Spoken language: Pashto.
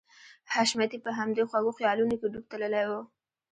حشمتي په همدې خوږو خيالونو کې ډوب تللی و.